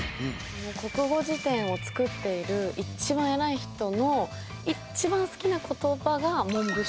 国語辞典を作っている一番偉い人の一番好きな言葉が「文部省」。